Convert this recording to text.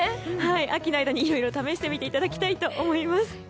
秋の間に、いろいろ試していただきたいと思います。